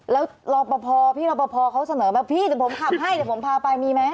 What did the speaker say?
แล้วรอปภพี่รอปภเขาเสนอมาพี่เดี๋ยวผมขับให้เดี๋ยวผมพาไปมีไหม